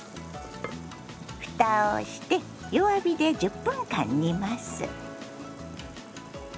ふたをして弱火で１０分間煮ます。